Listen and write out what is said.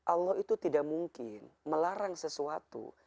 allah itu tidak mungkin melarang sesuatu